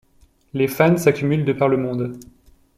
Les fans s’accumulent de par le monde.